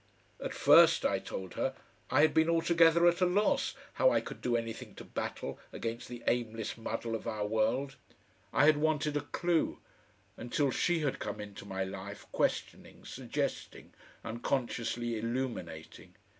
At first, I told her, I had been altogether at a loss how I could do anything to battle against the aimless muddle of our world; I had wanted a clue until she had come into my life questioning, suggesting, unconsciously illuminating.